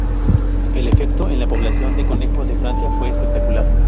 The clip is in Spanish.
El efecto en la población de conejo de Francia fue espectacular.